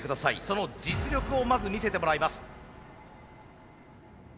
その実力をまず見せてもらいます。